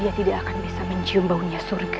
ia tidak akan bisa mencium baunya surga